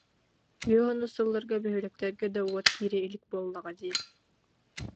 Биэс уонус сылларга бөһүөлэктэргэ да уот киирэ илик буоллаҕа дии